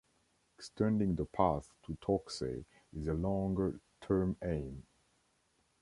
Extending the path to Torksey is a longer term aim.